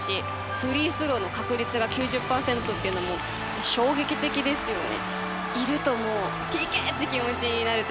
フリースローの確率が９０％も衝撃的ですね。